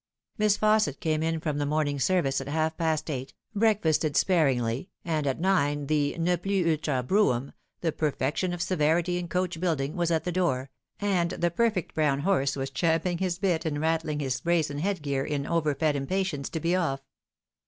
Miss Fausset came in from the morning service at half past eight, breakfasted sparingly, and at nine the neat single broug ham, the perfection of severity in coach building, was at the door, and the perfect brown horse was champing his bit and rattling his brazen headgear in over fed impatience to be off.